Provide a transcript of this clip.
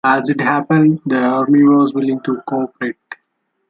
As it happened, the Army was willing to cooperate.